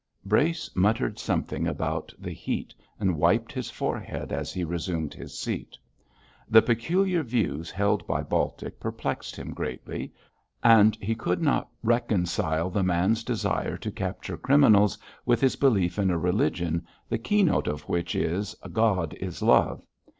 Brace muttered something about the heat, and wiped his forehead as he resumed his seat. The peculiar views held by Baltic perplexed him greatly, and he could not reconcile the man's desire to capture criminals with his belief in a religion, the keynote of which is, 'God is love.'